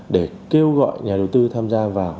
để kêu gọi nhà đầu tư tham gia vào